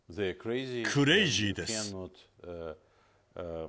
クレイジーです。